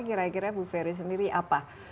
kira kira bu ferry sendiri apa